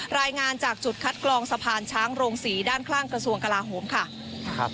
รายงานจากจุดคัดกรองสะพานช้างโรงศรีด้านข้างกระทรวงกลาโหมค่ะ